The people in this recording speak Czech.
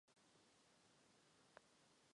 Je zřejmě nejstarší borovicí černou v České republice.